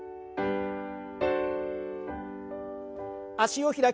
脚を開きます。